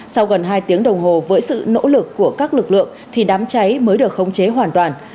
sau gần hai tiếng đồng hồ với sự nỗ lực của các lực lượng thì đám cháy mới được khống chế hoàn toàn